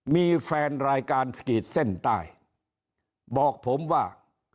มีแฟนรายการสกีดเส้นใต้บอกผมว่า